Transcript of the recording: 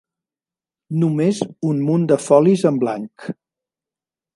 Només un munt de folis en blanc.